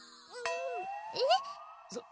えっ？